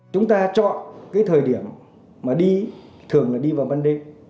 chúng ta chọn cái thời điểm mà đi thường là đi vào ban đêm